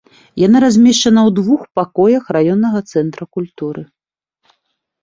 Яна размешчана ў двух пакоях раённага цэнтра культуры.